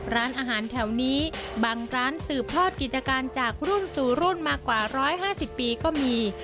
ร้านอาหารแถวนี้บางร้านสืบทอดกิจการจากรุ่นสู่รุ่นมากว่า๑๕๐ปีก็มี